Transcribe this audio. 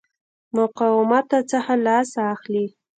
مقاومته څخه لاس اخلي.